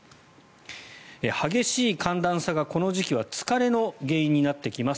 激しい寒暖差がこの時期は疲れの原因になってきます。